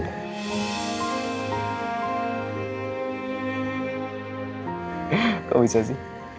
kok bisa sih